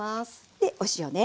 でお塩ね。